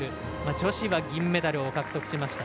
女子は銀メダルを獲得しました。